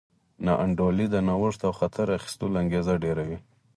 ناانډولي د نوښت او خطر اخیستلو انګېزه ډېروي.